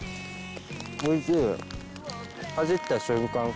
おいしい！